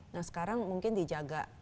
nah sekarang mungkin dijaga